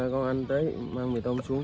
công an đấy mang mì tôm xuống